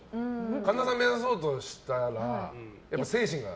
神田さん目指そうとしたら精神は。